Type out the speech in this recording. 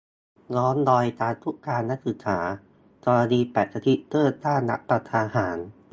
ย้อนรอยการคุกคามนักศึกษา กรณีแปะสติ๊กเกอร์ต้านรัฐประหาร